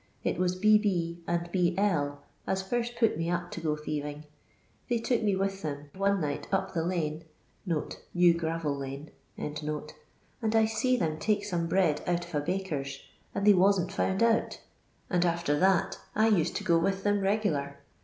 It was B B , and B L , as first put me up to go thieving; they took me with them, one night, up the lane [New Gravel lane], and I see them take some bread out of a baker's, and they wasn't found out ; and, after that, I used to go with them regular.